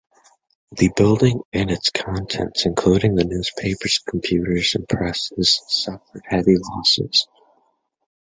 The building and its contents, including the newspapers computers and presses, suffered heavy losses.